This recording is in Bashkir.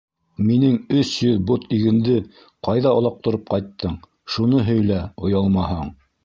Минең өс йөҙ бот игенде ҡайҙа олаҡтырып ҡайттың, шуны һөйлә, оялмаһаң!